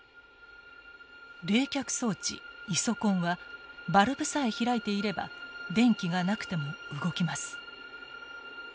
冷却装置イソコンはバルブさえ開いていれば電気がなくても動きます。